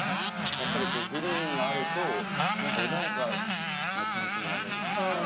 やっぱりこうグリーンがあると何か穏やかな気持ちになれるというか。